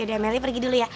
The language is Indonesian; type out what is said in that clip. ya udah meli pergi dulu ya